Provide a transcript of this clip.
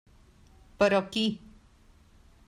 Però qui?